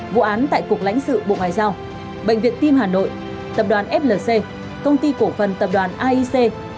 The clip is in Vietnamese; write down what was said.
vụ án tại cục lãnh sự bộ ngoại giao bệnh viện tim hà nội tập đoàn flc công ty cổ phần tập đoàn aic